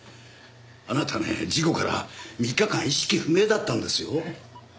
あなたね事故から３日間意識不明だったんですよ？